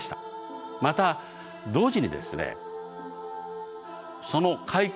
また同時にですね